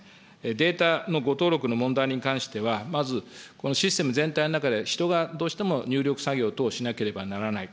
データの誤登録の問題におきましては、まず、システム全体の中で、人がどうしても入力作業等しなければならない。